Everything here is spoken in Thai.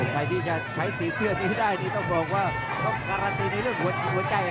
ใครที่จะใช้สีเสื้อนี้ได้ต้องบอกว่าต้องการันตีในเรื่องหัวใจ